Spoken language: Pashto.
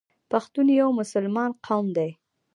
پښتون یو مسلمان قوم دی.